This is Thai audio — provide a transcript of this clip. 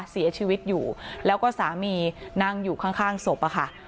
เสียชีวิตอยู่แล้วก็สามีนั่งอยู่ข้างศพอะค่ะ